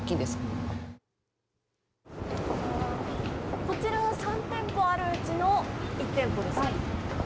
こちらは３店舗あるうちの１店舗ですか。